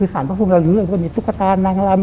สารพระพุมเลยเรียกว่ามีตุ๊กตานางลำ